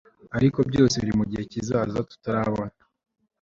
ariko byose biri mugihe kizaza tutarabona